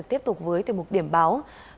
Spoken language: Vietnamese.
tiếp tục với một điểm báo